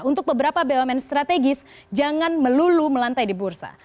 untuk beberapa bumn strategis jangan melulu melantai di bursa